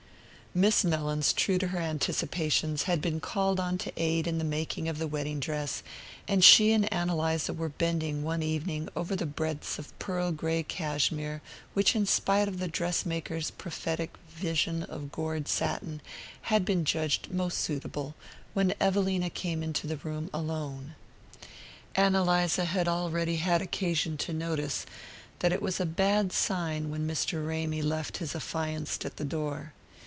Miss Mellins, true to her anticipations, had been called on to aid in the making of the wedding dress, and she and Ann Eliza were bending one evening over the breadths of pearl grey cashmere which in spite of the dress maker's prophetic vision of gored satin, had been judged most suitable, when Evelina came into the room alone. Ann Eliza had already had occasion to notice that it was a bad sign when Mr. Ramy left his affianced at the door.